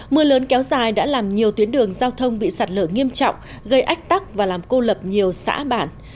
mưa lớn kéo dài đã làm nhiều tuyến đường giao thông bị sạt lở nghiêm trọng gây ách tắc và làm cô lập nhiều xã bản